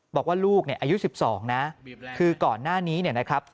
บอกว่าลูกเนี่ยอายุ๑๒นะคือก่อนหน้านี้เนี่ยนะครับ